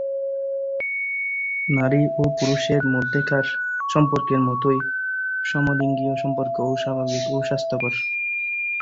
নারী ও পুরুষের মধ্যেকার সম্পর্কের মতোই সমলিঙ্গীয় সম্পর্কও স্বাভাবিক ও স্বাস্থ্যকর।